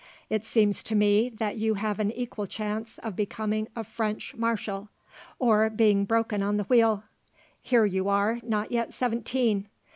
It seems to me that you have an equal chance of becoming a French marshal, or being broken on the wheel. Here you are, not yet seventeen.